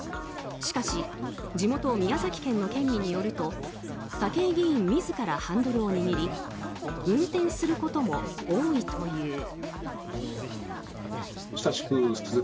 しかし地元・宮崎県の県議によると武井議員自らハンドルを握り運転することも多いという。